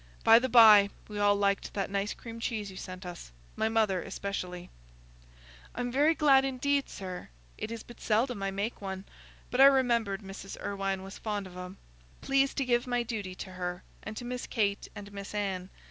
By the by, we all liked that nice cream cheese you sent us—my mother especially." "I'm very glad, indeed, sir. It is but seldom I make one, but I remembered Mrs. Irwine was fond of 'em. Please to give my duty to her, and to Miss Kate and Miss Anne.